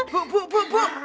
buk buk buk buk